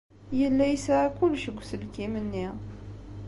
Yella yesɛa kullec deg uselkim-nni.